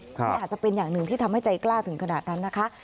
นี่อาจจะเป็นอย่างหนึ่งที่ทำให้ใจกล้าถึงขนาดนั้นนะคะ